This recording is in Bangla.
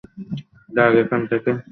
ভাগ, এখান থেকে।